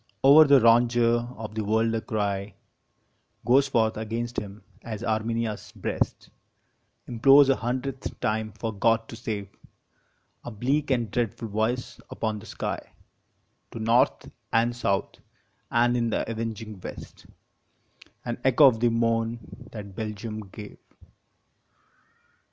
Over the rondure of the world a cry Goes forth against him, as Armenia s breast Implores a hundredth time for God to save A bleak and dreadful voice upon the sky To North and South, and in the avenging West An echo of the moan that Belgium gave.